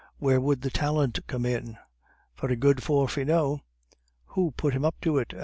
"Where would the talent come in?" "Very good for Finot." "Who put him up to it?"